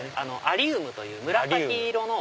アリウムという紫色の。